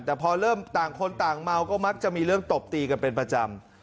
แต่พอเริ่มต่างคนต่างเมาก็มักจะมีเรื่องตบตีกันเป็นประจำ